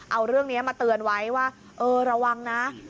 เอาเรื่องนี้มาเตือนไว้ว่าเออระวังนะ